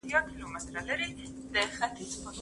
ماشومان دقت او تخیل د کاردستي له لارې زده کوي.